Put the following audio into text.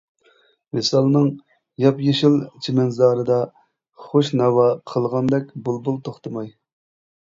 ۋىسالنىڭ ياپ-يېشىل چىمەنزارىدا، خۇش ناۋا قىلغاندەك بۇلبۇل توختىماي.